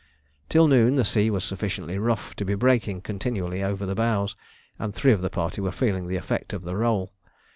Till noon the sea was sufficiently rough to be breaking continually over the bows, and three of the party were feeling the effect of the roll.